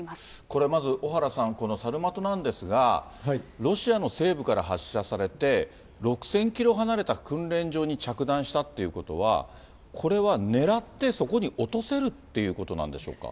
これ、まず小原さん、サルマトなんですが、ロシアの西部から発射されて、６０００キロ離れた訓練場に着弾したっていうことは、これは狙って、そこに落とせるっていうことなんでしょうか。